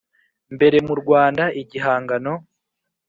mbere mu Rwanda igihangano